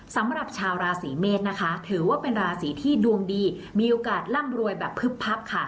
สำหรับชาวราศีเมษนะคะถือว่าเป็นราศีที่ดวงดีมีโอกาสร่ำรวยแบบพึบพับค่ะ